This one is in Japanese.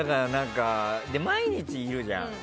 毎日いるじゃん。